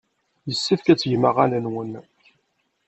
Yessefk ad tgem aɣan-nwen.